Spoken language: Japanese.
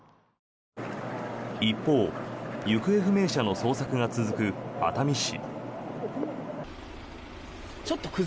一方、行方不明者の捜索が続く熱海市。